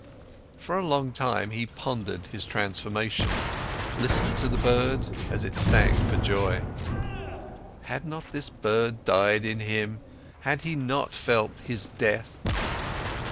For a long time, he pondered his transformation, listened to the bird, as it sang for joy. Had not this bird died in him, had he not felt its death?